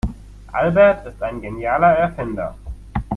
Albert ist ein genialer Erfinder.